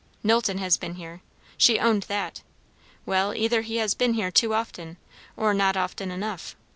Knowlton has been here she owned that; well, either he has been here too often, or not often enough.